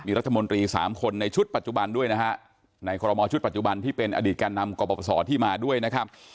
รัฐมนตรีสามคนในชุดปัจจุบันด้วยนะฮะในคอรมอชุดปัจจุบันที่เป็นอดีตแก่นำกรปศที่มาด้วยนะครับ